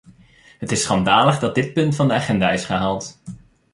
Het is schandalig dat dit punt van de agenda is gehaald.